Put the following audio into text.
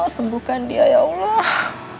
sembuhkan dia ya allah